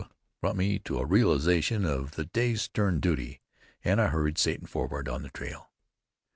brought me to a realization of the day's stern duty and I hurried Satan forward on the trail.